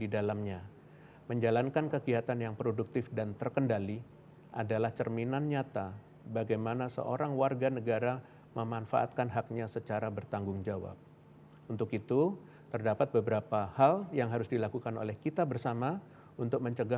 dengan rincian tahapan